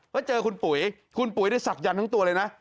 แล้วเจอคุณปุ๋ยคุณปุ๋ยได้ศักดันทั้งตัวเลยนะ